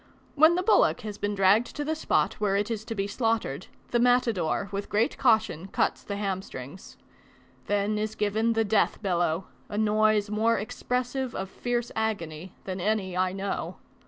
When the bullock has been dragged to the spot where it is to be slaughtered, the matador with great caution cuts the hamstrings. Then is given the death bellow; a noise more expressive of fierce agony than any I know.